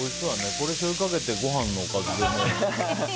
これにしょうゆをかけてご飯のおかずでも。